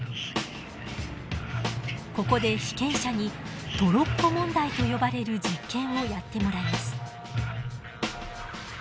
ここで被験者にトロッコ問題と呼ばれる実験をやってもらいます。